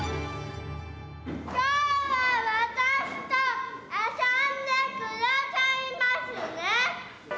今日は私と遊んでくださいますね。